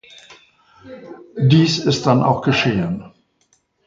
Dies ist dann auch geschehen.